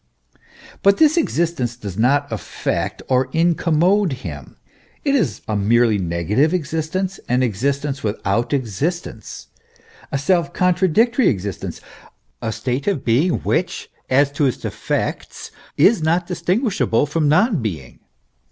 But this existence does not affect or incommode him ; it is a merely negative existence, an existence without existence, a self contradictory existence, a state of being, which, as to its effects, is not distinguishable from non being.